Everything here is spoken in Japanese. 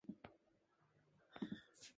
平野紫耀